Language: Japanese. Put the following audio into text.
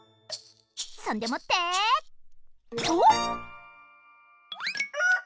そんでもってとう！